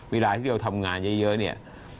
เวลาที่เราทำงานเยอะเนี่ย